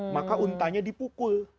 maka untanya dipukul